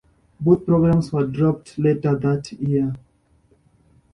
Both programs were dropped later that year.